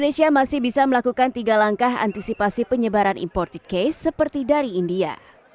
indonesia masih bisa melakukan tiga langkah antisipasi penyebaran imported case seperti dari india